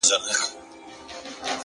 • په مخه دي د اور ګلونه،